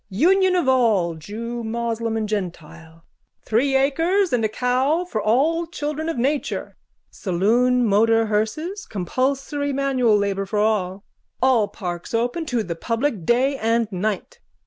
Union of all, jew, moslem and gentile. Three acres and a cow for all children of nature. Saloon motor hearses. Compulsory manual labour for all. All parks open to the public day and night.